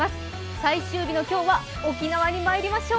最終日の今日は沖縄にまいりましょう。